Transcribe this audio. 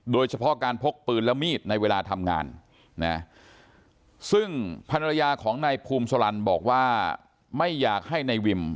โดยเฉพาะการพกปืนและมีดในเวลาทำงานนะซึ่งภรรยาของนายภูมิสลันบอกว่าไม่อยากให้นายวิม